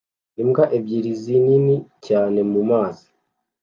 Imbwa ebyiri zinini cyane mumazi